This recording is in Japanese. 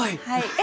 はい。